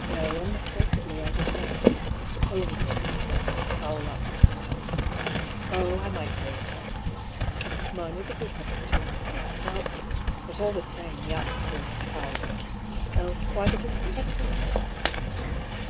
No, unmistakably I did not. Overwork, of course ; the foul atmosphere, too. Oh ! I might say what I liked. Mine was a good hospital in its way, doubtless; but all the same, the atmosphere was a foul one. Else, why the disinfectants